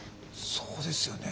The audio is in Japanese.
そうですよね。